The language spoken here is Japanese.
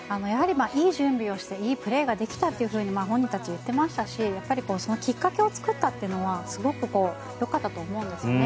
いい準備をしていいプレーができたと本人たち言ってましたしそのきっかけを作ったというのはすごくよかったと思うんですね。